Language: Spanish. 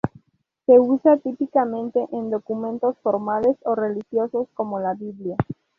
Se usa típicamente en documentos formales o religiosos, como la Biblia.